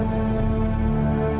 oke baik baik baik